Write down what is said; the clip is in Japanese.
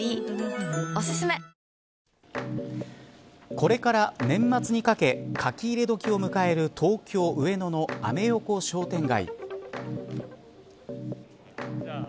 これから年末にかけ書き入れ時を迎える東京、上野のアメ横商店街。